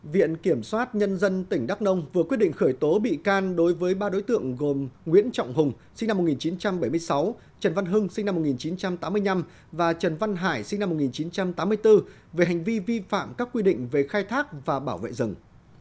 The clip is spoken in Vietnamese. viện kiểm sát nhân dân tỉnh đắk nông vừa quyết định khởi tố bị can đối với ba đối tượng gồm nguyễn trọng hùng sinh năm một nghìn chín trăm bảy mươi sáu trần văn hưng sinh năm một nghìn chín trăm tám mươi năm và trần văn hải sinh năm một nghìn chín trăm tám mươi bốn về hành vi vi phạm các quy định về khai thác và bảo vệ rừng